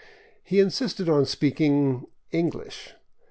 He insisted on speaking " English.'